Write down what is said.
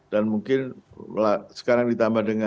dan mungkin sekarang ditambah dengan